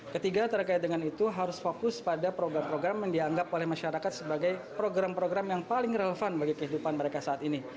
ketiga terkait dengan itu harus fokus pada program program yang dianggap oleh masyarakat sebagai program program yang paling relevan bagi kehidupan mereka saat ini